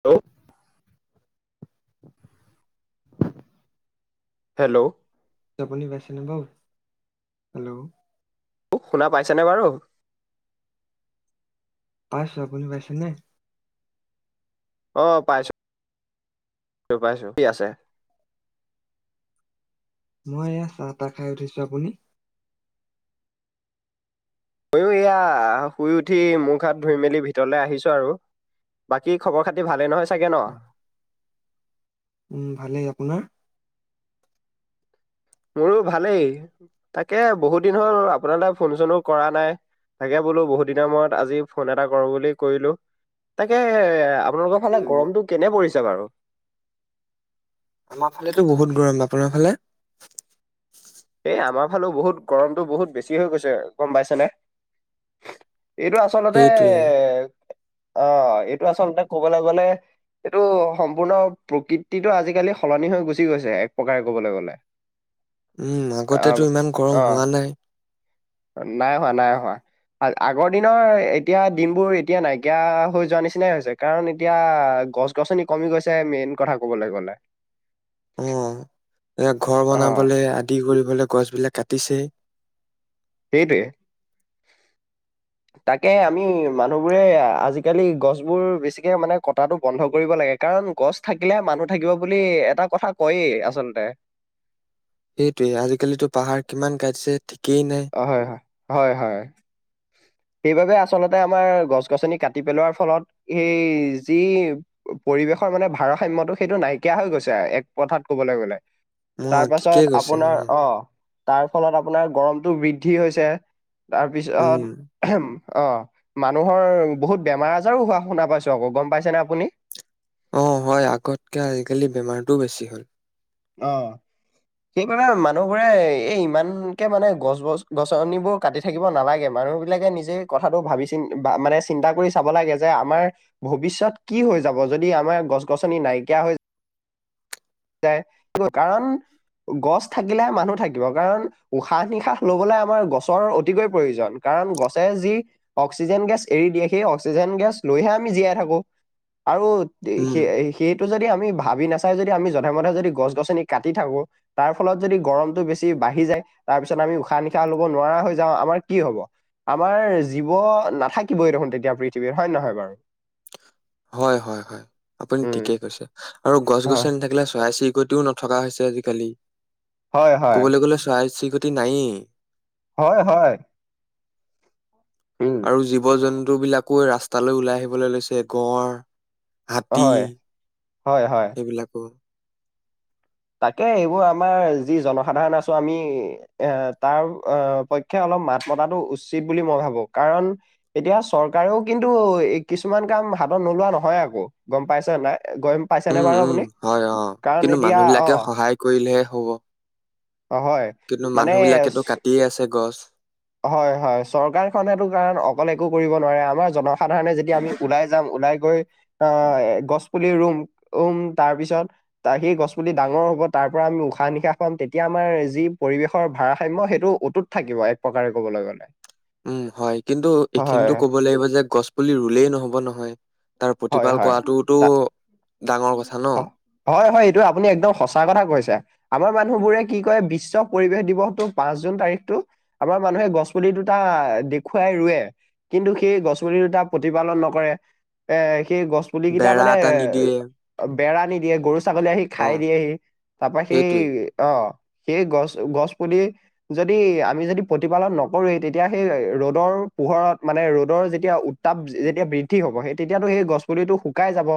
Hello hello শুনি পাইছেনে বাও, হেল্ল' তোক শুনা পাইছে বাৰু পাইছো আপুনি পাইছেনে। আহ পাইছো পাইছো, [unintelligible] কি আছে [inaudible] মই এয়া চাহ তাহ খাই উঠিছো আপুনি ময়ো এয়া শুই উঠি মূখ হাত ধুই মেলি ভিতৰলৈ আহিছো আৰু বাকী খৱৰ খাতি ভালেই নহয় চাগে ন উম ভালেই আপোনাৰ মোৰো ভালেই তাকে বহুত দিন হ'ল আপোনালৈ ফোন চোনো কৰা নাই তাকে বোলো বহুত দিনৰ মূৰত আজি ফোন এটা কৰো বুলি কৰিলো তাকে আপোনালোকৰ ফালে উম, গৰমটো কেনে পৰিছে বাৰু আমাৰ ফালেতো বহুত গৰম আপোনাৰ ফালে এই আমাৰ ফালে বহুত গৰমতটো বহুত বেছি হৈ গৈছে গম পাইছে নে এইটো আচলতে এ সেইটোৱেই অ এইটো আচলতে ক'বলৈ গলে এইটো সম্পূৰ্ণ প্ৰকৃতিতটো আজিকালি সলনি হৈ গুচি গৈছে এক প্ৰকাৰে কবলৈ গ'লে উম অ', আগতেতো ইমান গৰম অ', হোৱা নাই নাই হোৱা নাই হোৱা আগৰ দিনৰ এতিয়া দিনবোৰ এতিয়া নাইকিয়া হৈ যোৱা নিচিনাই হৈছে কাৰণ এতিয়া গছ গছনি কমি গৈছে মেইন কথা কবলৈ গ'লে অ এ ঘৰ অ', বনাবলৈ আদি কৰিব লে গছবিলাক কাটিছে সেইটোৱে তাকে আমি মানুহবোৰে আজিকালি গছবোৰ বেছিকে মানে কটাটো বন্ধ কৰিব লাগে কাৰ কাৰণ গছ থাকিলে মানুহ থাকিব বুলি এটা কথা কয়েই আচলতে সেইটোৱে আজিকালিতো পাহাৰ কিমান কাটিছে ঠিকেই নাই হয় হয় হয় হয়। সেইবাবে আচলতে আমাৰ গছ গছনি কাটি পেলোৱাৰ ফলত সেই যি পৰিৱেশৰ মানে ভাৰসাম্যতটো সেইটো নাইকিয়া হৈ গৈছে এক প্ৰথাত কবলৈ গ'লে অ তাৰ পাছত ঠিকেই কৈছে অ আপোনাৰ আহ তাৰ ফলত আপোনাৰ গৰমতটো বৃদ্ধি হৈছে তাৰ উম পিছত অ মানুহৰ বহুত বেমাৰ আজাৰো হোৱা শুনা পাইছো আকৌ গম পাইছেনে আপুনি অ হয় আগতকে আজিকালি বেমাৰটোও বেছি হ'ল অ সেইবাবে মানুহবোৰে এই ইমানকে মানে গছ গছ গছনিবোৰ কাটি থাকিব নালাগে মানে। মানুহ বিলাকে নিজে কথাটো ভাবি চি মানে চিন্তা কৰি চাব লাগে যে আমাৰ ভৱিষ্যয়ত কি হৈ যাব যদি আমাৰ গছ গছনি নাইকিয়া হৈ যায় কাৰণ, গছ থাকিলেহে মানুহ থাকিব কাৰণ উশাহ নিশাহ লবলৈ আমাৰ গছৰ অতিকৈ প্ৰয়োজন কা কাৰণ গছে যি অক্সিজেন গেছ এৰি দিয়ে সেই অক্সিজেন গেছ লৈহে আমি জীয়াই থাকো, আৰু উম সেইটো যদি আমি ভাবি নাচাই যদি আমি জ ধে মধে যদি গছ গছনি কাটি থাকো, তাৰ ফলত যদি গৰমটো বেছি বাঢ়ি যায়, তাৰ পিছত আমি উশাহ নিশাহ লব নোৱাৰা হৈ যাওঁ আমাৰ কি হ'ব। আমাৰ জীৱ নাথাকিবই দেখোন তেতিয়া পৃথিৱীত হয় নে নহয় বাৰু? হয় হয় হয় আপুনি উম ঠিকেই কৈছে আৰু গছ হয় গছনি থাকিলে চৰাই চিৰি কতিও নথকা হৈছে আজিকালি হয় হয় ক'বলৈ গ'লে চৰাই চিৰিকতি নায়েই। হয় হয়। উম আৰু জীৱ জন্তু বিলাকো ৰাস্তালৈ ওলাই আহিবলৈ লৈছে গঁড়, হাতী, হয় হয় হয় সেইবিলাকো। তাকে এইবোৰ আমাৰ যি জনসাধাৰণ আছো আমি এ তাৰ পক্ষে অলপ- মাত মতাটো উচিত বুলি মই ভাবো কাৰণ, এতিয়া চৰকাৰেও কিন্তু কিছুমান কাম হাতত নোলোৱা নহয় আকৌ গম পাইছে নাই গম পাইছে নে উম, বাৰু উম, আপুনি হয়, অ'। কাৰণ কিন্তু এতিয়া, অ মানুহবিলাকে সহায় কৰিলেহে হব অ হয় কিন্তু মানুহ বিলাকেটো মানে কাটিয়ে আছে, গছ। হয় হয় চৰকাৰখনেতো কাৰণ অকলে একো কৰিব নোৱাৰে আমাৰ জনসাধাৰণে যদি আমি ওলাই যাম, ওলাই গৈ আহ গছ পুলি ৰুম ৰুম তাৰ পিছত সেই গছ পুলি ডাঙৰ হব, তাৰ পৰা আমি উশাহ নিশাহ পাম তেতিয়া আমাৰ যি পৰিৱেশৰ ভাৰসাম্য সেইটো অটুত থাকিব। উপকাৰে ক'বলৈ গ'লে। উম হয় কিন্তু হয় এইখিনিতো ক'ব লাগিব যে গছ পুলি ৰুলেই নহ'ব নহয়। তাৰ হয় প্ৰতিপাল হয় কৰাটোতো তা অ হয় হয় এইটো আপুনি একদম সঁচা কথা কৈছে আমাৰ মানুহ বোৰে কি কয় বিশ্ব পৰিৱেশ দিৱসতো পাঁচ জুন তাৰিখটো আমাৰ মানুহে গছ পুলি দুটা দেখুৱাই ৰুৱে কিন্তু সেই গছপুলি দুটা প্ৰতিপালন নকৰে এ সেই গছ পুলি কেইটা বেৰা মানে এটা নিদিয়ে। বেৰা নিদিয়ে গৰু ছাগলী আহি অ', খাই দিয়েহি তাৰ পৰা সেই, সেইটোৱেই, অঁ সেই গছ গছ পুলি যদি আমি যদি প্ৰতিপালন নকৰোৱেই তেতিয়া সেই ৰ'দৰ পোহৰত মানে ৰ'দৰ যেতিয়া উত্তাপ যেতিয়া বৃদ্ধি হব সেই তেতিয়াটো সেই গছ পুলিটো শুকাই যাব,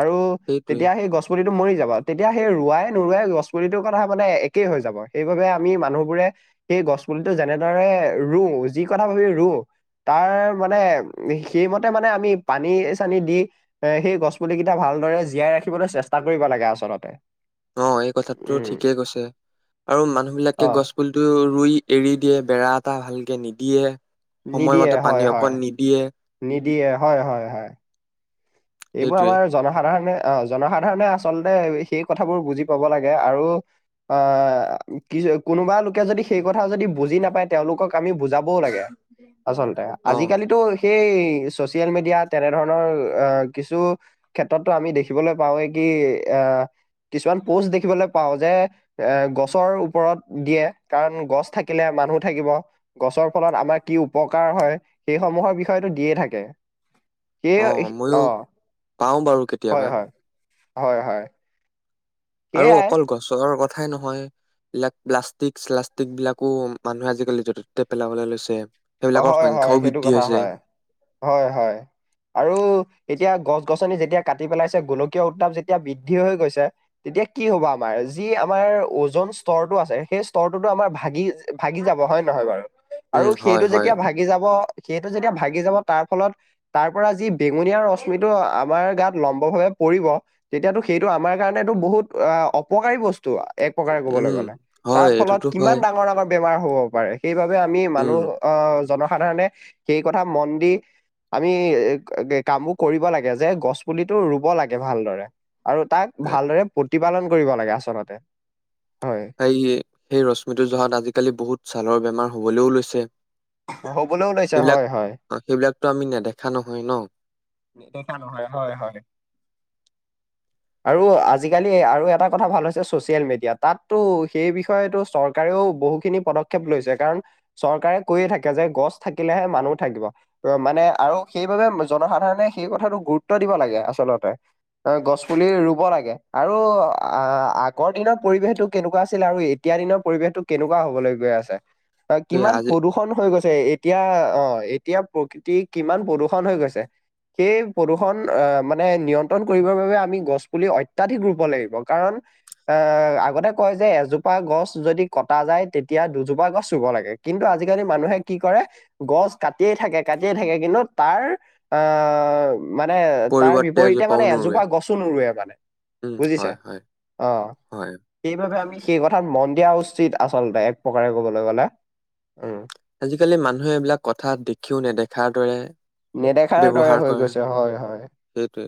আৰু সেইটোৱেই। তেতিয়া সেই গছপুলি মৰি যাব তেতিয়া সেই ৰুৱাই নৰুৱাই গছপুলিটোৰ কথা মানে একেই হৈ যাব সেইবাবে আমি মানুহবোৰে সেই গছ পুলিটো যেনেদৰে ৰুওঁ যি কথা ভাবি ৰুওঁ, তাৰ মানে সেইমতে মানে আমি পানী চানী দি এ সেই গছ পুলি কেইটা ভালদৰে, জীয়াই ৰাখিবলৈ চেষ্টা কৰিব লাগে আচলতে। অ এই কথাটো উম ঠিকেই কৈছে। আৰু মানুহ বিলাকে অ গছ পুলিটো ৰুই এৰি দিয়ে বেৰা এটা ভালকে নিদিয়ে, নিদিয়ে সময়মতে হয় পানী হয় অকণ নিদিয়ে। নিদিয়ে হয় হয় হয় এইবোৰ সেইটোৱে আমাৰ জনসাধাৰণে অ জনসাধাৰণে আচলতে সেই কথাবোৰ বুজি পাব লাগে আৰু, অ কি কোনোবা লোকে যদি সেই কথা যদি বুজি নাপায় তেওঁলোকক আমি বুজাবও লাগে। আচলতে অ আজিকালিতো সেই চচিয়েল মিডিয়া তেনেধৰণৰ অ কিছু ক্ষেত্ৰতো আমি দেখিবলৈ পাওঁৱেই কি কি আ কিছুমান পোষ্ট দেখিবলৈ পাও যে এ গছৰ ওপৰত দিয়ে কাৰণ গছ থাকিলে, মানুহ থাকিব গছৰ ফলত আমাৰ কি উপকাৰ হয় সেইসমূহৰ বি হেইটো দিয়ে থাকে সেইয়ে অ ময়ো অ পাওঁ বাৰু হয় কেতিয়াবা হয় হয় উম, হয় আৰু সেয়াই অকল গছৰ কথাই নহয় এইলাক প্লাষ্টিক চ্লাষ্টিক বিলাকো মানুহে আজিকালি য'ততে পেলাবলে লৈছে অ সেইবিলাকৰ হয় হয় সংখ্যাও সেইটো বৃদ্ধি কথা হৈছে হয় হয় হয় আৰু এতিয়া গছ গছনি যেতিয়া কাটি পেলাইছে গোলকীয় উত্তাপ যেতিয়া বৃদ্ধি হৈ গৈছে তেতিয়া কি হব আমাৰ যি আমাৰ ওজন স্তৰটো আছে সেই স্তৰটোতো আমাৰ ভাগি ভাগি যাব হয় নহয় বাৰু আৰু উম সেইটো হয় যেতিয়া ভাগি যাব সেইটো যেতিয়া ভাগি যাব তাৰ ফলত তাৰ পৰা যি বেঙুনীয়া ৰশ্মিটো আমাৰ গাত লম্ব ভাৱ পৰিব তেতিয়াতো সেইটো আমাৰ কাৰণেটো বহুত অ অপকাৰী বস্তু এক প্ৰকাৰ কবলৈ উম গ'লে তাৰ হয় ফলত এইটোতো কিমান হয় ডাঙৰ ডাঙৰ বেমাৰ হব পাৰে সেইবাবে আমি উম মানুহ আহ জনসাধাৰণে সেই কথা মন দি আমি কামবোৰ কৰিব লাগে যে গছ পুলিটো ৰুব লাগে ভালদৰে আৰু তাক ভালদৰে প্ৰতিপালন কৰিব লাগে আচলতে হয় এই ৰশ্মিটোৰ জহাত আজিকালি বহুত ছালৰ বেমাৰ হবলৈও লৈছে হ'বলৈও লৈছে হয় সেইবিলাক হয়। সেইবিলাকতো আমি নেদেখা নহয় ন নেদেখা নহয় হয় হয় আৰু আজিকালি আৰু এটা কথা ভাল হৈছে ছচিয়েল মিডিয়া তাতো সেই বিষয়টো চৰকাৰেও বহু খিনি পদক্ষেপ লৈছে কাৰণ চৰকাৰে কৈয়ে থাকে যে গছ থাকিলেহে মানুহ থাকিব কম মানে আৰু সেইবাবে জনসাধাৰণে সেই কথাটো গুৰুত্ব দিব লাগে আচলতে অ গছ পুলি ৰুব লাগে আৰু আ আগৰ দিনৰত পৰিৱেশটো কেনেকুৱা আছিল আৰু এতিয়া এতিয়া দিনৰ পৰিৱেশ টো কেনেকুৱা হবলৈ গৈ আছে সেই কিমান আজি প্ৰদূষণ হৈ গৈছে এতিয়া অ এতিয়া প্ৰকৃতি কিমান প্ৰদূৰ্ষন হৈ গৈছে সেই প্ৰদূৰ্ষণ আহ মানে নিয়ন্ত্ৰণ কৰিবৰ বাবে আমি গছ পুলি অত্যাধিক ৰুব লাগিব কাৰণ অ আগতে কয় যে এজোপা গছ যদি কটা যায় তেতিয়া দুজোপা গছ ৰুব লাগে কিন্তু আজিকালি মানুহে কি কৰে গছ কাটিয়েই থাকে কাটিয়ে থাকে কিন্তু তাৰ আহ মানে তাৰ পৰিৱৰ্তে বিপৰীতে এজোপাও মানে নোৰুৱে এজোপা গছো নৰুৱে মানে উম বুজিছে হয় হয় অ হয় সেইবাবে আমি সেই কথাত মন দিয়া উচিত আচলতে এক প্ৰকাৰে কবলে গলে উম আজিকালি মানুহে এইবিলাক কথা দেখিও নেদেখাৰ দৰে। নেদেখাৰ দৰে ব্যৱহাৰ হৈ কৰে, গৈছে হয় হয় সেইটোৱে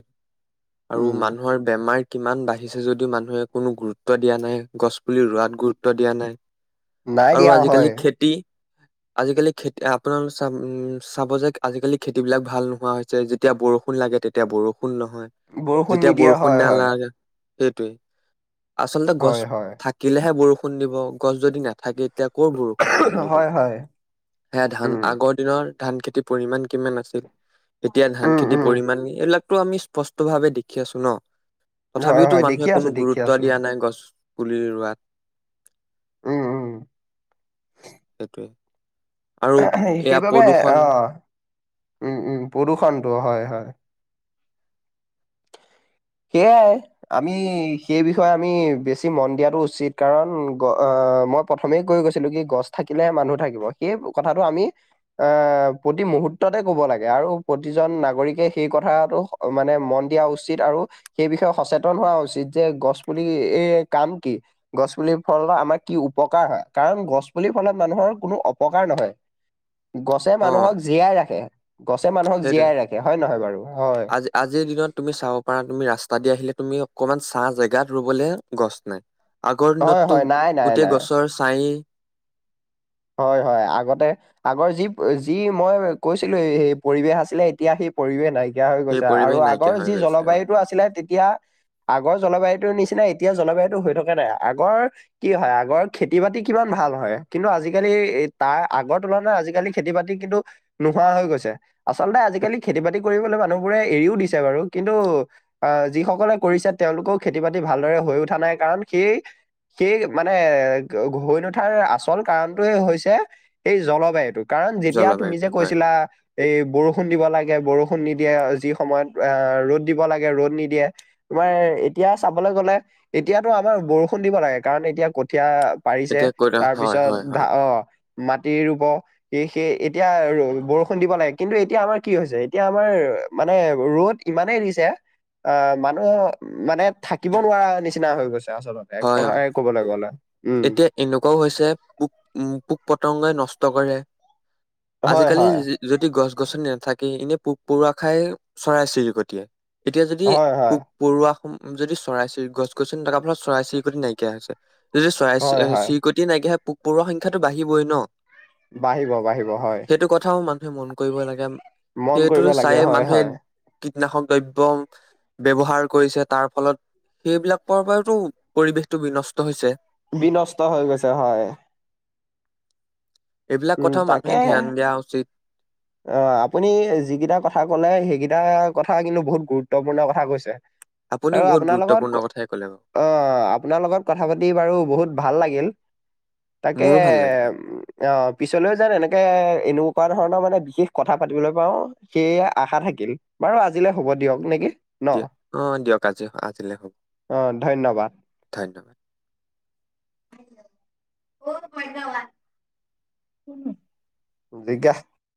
আৰু উম মানুহৰ বেমাৰ। কিমান বাঢ়িছে যদিও, মানুহে কোনো গুৰুত্ব দিয়া নাই গছ। পুলি ৰোৱাত গুৰুত্ব দিয়া নাই, নাই আৰু দিয়া হয় আজিকালি খেতি। আজিকালি খেতি আপোনালোক চ উম চাব যে আজিকালি খেতি বিলাক ভাল নোহোৱা হৈছে যেতিয়া বৰষুণ [unintelligible] লাগে তেতিয়া বৰষুণ নহয়, বৰষুণ যেতিয়া নিদিয়া বৰষুণ হয় হয় নালাগে। সেইটোৱেই আচলতে গছ হয় হয় থাকিলেহে বৰষুণ দিব গছ যদি নাথাকে [unintelligible] এতিয়া কৰ' বৰষুণ কণ দিব হয় হয় সেয়া ধান উম আগৰ দিনৰ [unintelligible] ধান খেতিৰ পৰিমাণ কিমান আছিল, এতিয়া ধান উম খেতিৰ উম পৰিমাণ এইবিলাক। টো আমি স্পষ্ট ভাৱে দেখি আছো ন, হয় তথাবিওটো হয় মানুহে দেখি কোনো আছো দেখি গুৰুত্ব আছো দিয়া নাই গছ। পুলি ৰোৱাত উম উম সেইটোৱে। আৰু এয়া সেইবাবে প্ৰদূষণ আহ। উম উম, পদুষণটো হয় হয়। সেয়াই আমি সেই বিষয়ে আমি বেছি মন দিয়াতটো উচিত কাৰণ। অ, মই প্ৰথমে কৈ গৈছিলো কি গছ থাকিলেহে মানুহ থাকিব সেই। কথাটো আমি এ প্ৰতি মুহূতে ক'ব লাগে আৰু প্ৰতিজন নাগৰিকে সেই কথা। মানে মন দিয়া উচিত আৰু সেই বিষয়ে সচেতন হোৱা উচিত যে গছ পুলি এ কাম। কি গছ পুলিৰ ফলত আমাৰ কি উপকাৰ হয় কাৰণ গছ পুলিৰ ফলত মানুহৰ কোনো অপকাৰ নহয় [unintelligible] গছে মানুহক জীয়াই ৰাখে। গছে মানুহক সেইটোয়ে, জীয়াই ৰাখে হয় নহয় বাৰু হয় আজি আজিৰ দিনত তুমি চাব পাৰা তুমি ৰাস্তা দি আহিলে। তুমি অকমান চাহ জেগাত ৰুবলে গছ নাই। আগৰ হয় দিনততো হয় নাই নাই গোটেই নাই গছৰ ছাই। হয় হয়, আগতে আগৰ যি যি মই কৈছিলো এই স পৰিৱেশ আছিলে এতিয়া সি। পৰিৱেশ নাইকিয়া হৈ সেই গৈছে আৰু পৰিৱেশ আগৰ নাইকিয়া হৈ যি গৈছে অ জলবায়ুটো আছিলে তেতিয়া। আগৰ জলবায়ুতৰ নিচিনা এতিয়া জলবায়ুতো হৈ থকা নাই আগৰ কি হয় আগৰ খেতি বাতি। কিমান ভাল হয় কিন্তু আজিকালিৰ। আজিকালি তাৰ আগৰ তুলনাত আজিকালি খেতি বাতি কিন্তু নোহোৱা হৈ গৈছে। আচলতে আজিকালি খেতি বাতি। মানুহবো এৰিও দিছে বাৰু কিন্তু যিসকলে কৰিছে তেওঁলোকেও খেতি বাতি ভাল। হৈ উঠা নাই কাৰণ, সেই সেই মানে হৈ নুঠাৰ আচল কাৰণ। হৈছে এই জলবায়ুটোক। কাৰণ যেতিয়া তুমি যে জলবায়ুটো হয়। কৈছিলা, এই বৰষুণ দিব লাগে বৰষুণ। নিদিয়ে যি সময়ত আহ ৰ'দ দিব লাগে ৰ'দ নিদিয়ে, তোমাৰ এতিয়া চাবলৈ গ'লে। এতিয়াতো আমাৰ বৰষুণ দিব লাগে, কাৰণ এতিয়া কঠিয়া পাৰিছে এতিয়া কৈ থাক হয় তাৰপিছত। হয় ধা হয় অ মাটি ৰুব [unintelligible] সেই এতিয়া বৰষুণ দিব লাগে, কিন্তু এতিয়া আমাৰ কি হৈছে এতিয়া আমাৰ মানে ৰ'দ। ইমানেই নিছে অ মানুহ মানে থাকিব নোৱাৰা নিচিনা হৈ গৈছে। আচলতে এক হয় কথ অ ক'বলৈ গলে। উম এতিয়া এনেকুৱাও হৈছে, পোক পোক পতংগই নষ্ট কৰে। হয় আজিকালি হয় যদি গছ গছনি নাথাকে। এনে পোক পৰুৱা খাই চৰাই চিৰিকতিয়ে, এতিয়া যদি হয় হয় পোক পৰুৱা। যদি চই চিৰি গছ গছনি তাৰ ফলত চৰাই চিৰিকট নাইকিয়া হৈছে। যদি চৰাই হয় হয় চিৰিকতি নাইকিয়হে পোক পৰুৱৰ সংখ্যাটো বাঢ়িবই ন। বাঢ়িব বাঢ়িব হয়। সেইটো কথাও মানুহে মন কৰিব লাগে মন সেইটো কৰিব লাগে চাইে হয় মানুহে। হয় কীটনাশক দ্ৰব্য ব্যৱহাৰ কৰিছে তাৰ ফলত। সেইবিলাকৰ পৰাতো পৰিৱেশতটো বিনষ্ট হৈছে। বিনষ্ট হৈ গৈছে হয়। এইবিলাক উম কথাও মানুহে তাকে ধ্যান দিয়া উচিত। অ, আপুনি যিকেইটা কথা কলে সেইকেইটা কথা কিন্তু বহুত গুৰুত্বপূৰ্ণ কথা কৈছে। আৰু আপুনিও বহুত আপোনাৰ লগত গুৰুত্বপূৰ্ণ ক- কথাই ক'লে। বাৰু অ'! আপোনাৰ লগত কথা পাতি বাৰু বহুত ভাল লাগিল। তাকে, মোৰো ভাল লাগিলে অ'! পিছলৈও যেন এনেকে এনেকুৱা ধৰণৰ মানে, বিশেষ কথা পাতিবলৈ পাওঁ। সেয়ে, আশা থাকিল বাৰু আজিলে হ'ব দিয়ক নেকি। ন? দিয়ক অ'! দিয়ক আজি, আজিলে হ'ব। অ' ধন্যবাদ। ধন্যবাদ। অ'! মাই [unintelligible] [unintelligible]